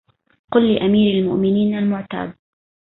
قل لأمير المؤمنين المعتاد